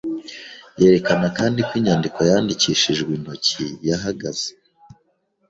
yerekana kandi ko inyandiko yandikishijwe intoki yahagaze